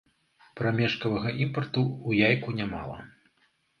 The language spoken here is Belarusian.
Прамежкавага імпарту ў яйку нямала.